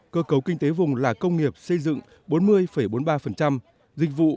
cơ cấu kinh tế trung ương đã đạt được nhiều thành tiệu đáng kể